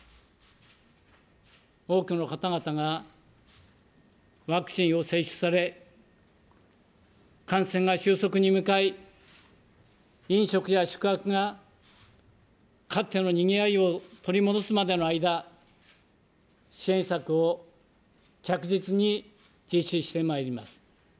多くの方々がワクチンを接種され、感染が収束に向かい、飲食や宿泊がかつてのにぎわいを取り戻すまでの間、支援策を着実に実施してまいります。